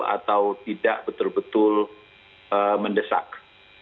atau tidak betul betul mendesak